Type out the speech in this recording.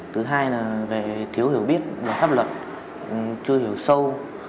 thứ hai là về thiếu hiểu biết về pháp luật chưa hiểu sâu